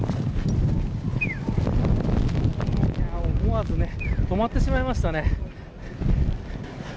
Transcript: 思わず止まってしまいましたね。